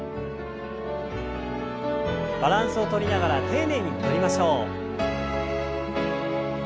バランスをとりながら丁寧に戻りましょう。